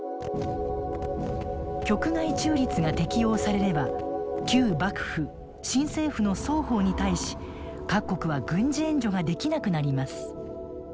局外中立が適用されれば旧幕府・新政府の双方に対し各国は軍事援助ができなくなります。